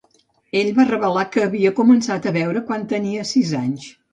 Ell va revelar que havia començat a beure quan tenia sis anys.